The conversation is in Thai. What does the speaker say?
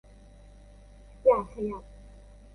อย่าขยับ